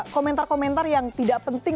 komentar komentar yang tidak penting